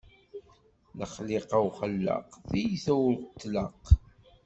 Lexliqa uxellaq, tiyta ur tlaq.